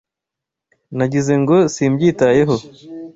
Nagize ngo simbyitayeho.